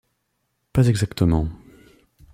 Pas exactement.